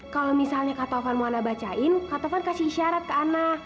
kalau misalnya kak tovan mau ana bacain kak tovan kasih isyarat ke ana